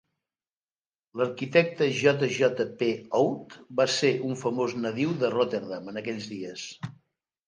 L'arquitecte J.J.P. Oud va ser un famós nadiu de Rotterdam en aquells dies.